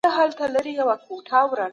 هغوی له مخکي زغم لري.